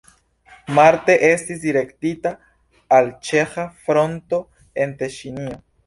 Marte estis direktita al ĉeĥa fronto en Teŝinio.